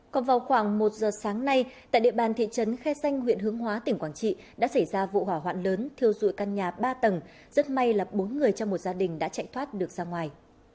còn vào khoảng một giờ sáng nay tại địa bàn thị trấn khe xanh huyện hướng hóa tỉnh quảng trị đã xảy ra vụ hỏa hoạn lớn thiêu dụi căn nhà ba tầng rất may là bốn người trong một gia đình đã chạy thoát được ra ngoài